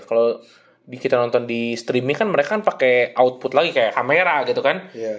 kalau kita nonton di streaming kan mereka kan pakai output lagi kayak kamera gitu kan